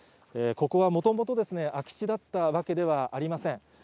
ここはもともと空き地だったわけではありません。